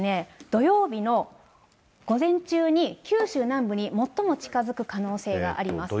土曜日の午前中に九州南部に最も近づく可能性があります。